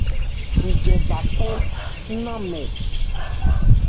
Sijɛ bha khó ńnamɛ.